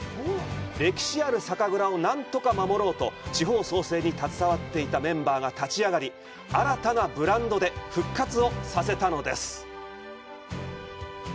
歴史ある酒蔵を何とか守ろうと、地方創生に携わっていたメンバーが立ち上がり、新たなブランドで復活させました。